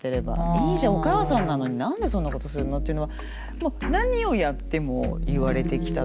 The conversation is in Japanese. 「いいじゃんお母さんなのに何でそんなことするの」っていうのは何をやっても言われてきたっていうのはあって。